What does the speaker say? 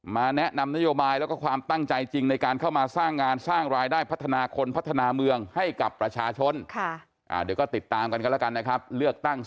มาแนะนำนโยบายแล้วก็ความตั้งใจจริงในการ